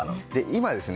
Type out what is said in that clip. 今ですね